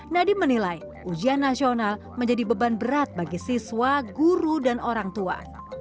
nadiem menilai ujian nasional menjadi beban berat bagi siswa guru dan orang tua